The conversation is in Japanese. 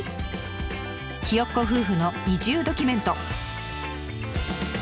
ヒヨッコ夫婦の移住ドキュメント。